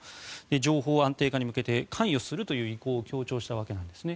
情勢安定化に向けて関与するという意向を強調したわけなんですね。